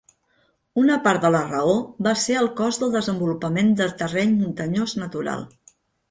Una part de la raó va ser el cost del desenvolupament de terreny muntanyós natural.